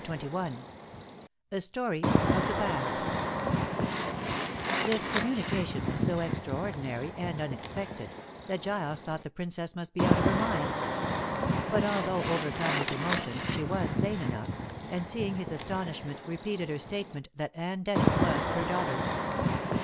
CHAPTER XXI A STORY OF THE PAST This communication was so extraordinary and unexpected that Giles thought the Princess must be out of her mind. But although overcome with emotion, she was sane enough, and seeing his astonishment repeated her statement that Anne Denham was her daughter.